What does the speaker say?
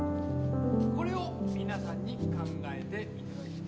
これを皆さんに考えて頂きたいと思います。